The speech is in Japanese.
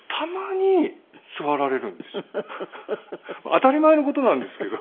当たり前の事なんですけど。